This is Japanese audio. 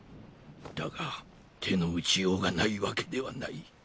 だが手の打ちようがないわけではない。